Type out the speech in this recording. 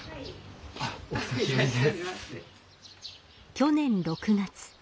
去年６月。